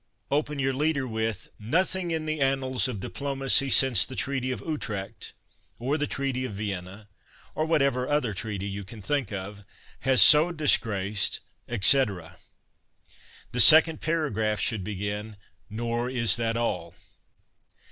Open your leader with " Nothing in the annals of diplomacy since the Treaty of Utrecht (or the Treaty of Vienna, or whatever other treaty you^ can think of) has so disgraced," &c. The second para graph should begin " Nor is that all."